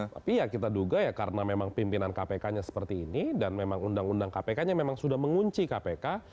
tapi ya kita duga ya karena memang pimpinan kpk nya seperti ini dan memang undang undang kpk nya memang sudah mengunci kpk